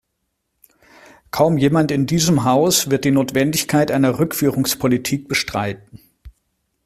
Kaum jemand in diesem Haus wird die Notwendigkeit einer Rückführungspolitik bestreiten.